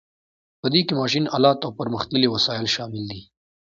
په دې کې ماشین الات او پرمختللي وسایل شامل دي.